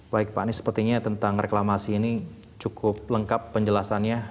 baik pak anies sepertinya tentang reklamasi ini cukup lengkap penjelasannya